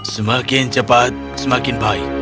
semakin cepat semakin baik